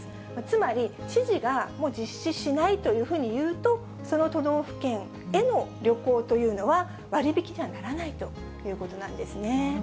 つまり、知事が実施ないというふうに言うと、その都道府県への旅行というのは、割引にはならないということなんですね。